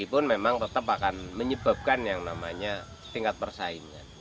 itu memang tetap akan menyebabkan yang namanya tingkat persaingan